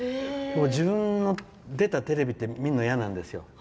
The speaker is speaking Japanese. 自分の出たテレビって見るのいやなんですよ。